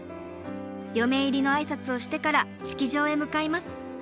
嫁入りの挨拶をしてから式場へ向かいます。